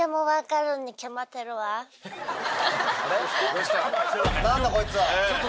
どうした？